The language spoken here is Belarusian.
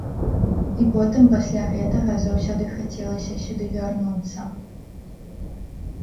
І потым пасля гэтага заўсёды хацелася сюды вярнуцца.